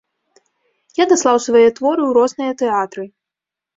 Я даслаў свае творы ў розныя тэатры.